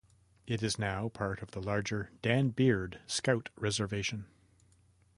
It is now part of the larger Dan Beard Scout Reservation.